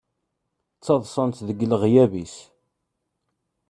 Ttaḍsan-t deg leɣyab-is.